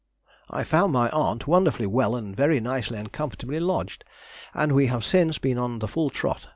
I found my aunt wonderfully well and very nicely and comfortably lodged, and we have since been on the full trot.